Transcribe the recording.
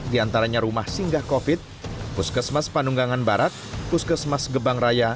di antaranya rumah singgah covid puskesmas panunggangan barat puskesmas gebang raya